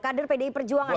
kader pdi perjuangan